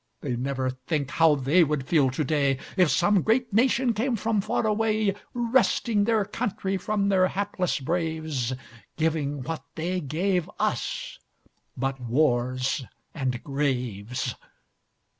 They never think how they would feel to day, If some great nation came from far away, Wresting their country from their hapless braves, Giving what they gave us but wars and graves.